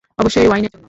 অবশ্যই, ওয়াইনের জন্য।